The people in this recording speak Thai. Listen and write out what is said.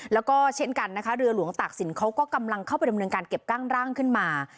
แล้วก็เช่นกันนะคะเรือหลวงตากศิลปเขาก็กำลังเข้าไปดำเนินการเก็บกั้นร่างขึ้นมา